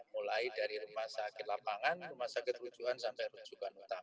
mulai dari rumah sakit lapangan rumah sakit rujuan sampai rujukan utama